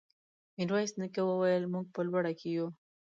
ميرويس نيکه وويل: موږ په لوړه کې يو.